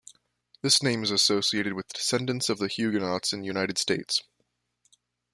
This name is associated with descendents of the Huguenots in the United States.